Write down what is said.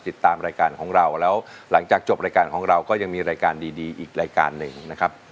ติดตามรายการของเราแล้วหลังจากจบรายการของเราก็ยังมีรายการดีอีกรายการหนึ่งนะครับ